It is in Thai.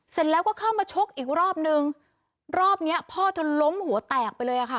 เสร็จแล้วก็เข้ามาชกอีกรอบนึงรอบเนี้ยพ่อเธอล้มหัวแตกไปเลยอ่ะค่ะ